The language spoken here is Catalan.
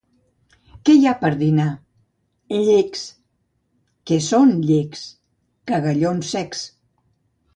—Què hi ha per dinar? —Llecs —Què són llecs? —Cagallons secs.